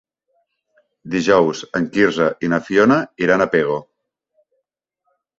Dijous en Quirze i na Fiona iran a Pego.